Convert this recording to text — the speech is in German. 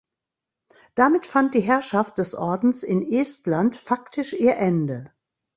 Damit fand die Herrschaft des Ordens in Estland faktisch ihr Ende.